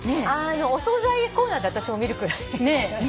お総菜コーナーで私も見るくらい。